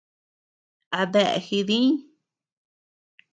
¿A dea jidiñʼ.